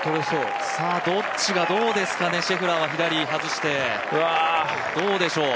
どっちがどうですかね、シェフラーは左に外して、どうでしょう。